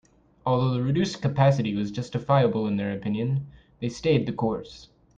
Although the reduced capacity was justifiable in their opinion, they stayed the course.